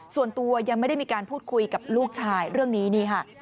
ส่วนตัวยังไม่ได้มีการพูดคุยกับลูกชายเรื่องนี้นี่ค่ะ